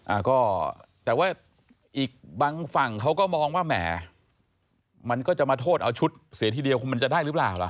อ่าก็แต่ว่าอีกบางฝั่งเขาก็มองว่าแหมมันก็จะมาโทษเอาชุดเสียทีเดียวคงมันจะได้หรือเปล่าล่ะ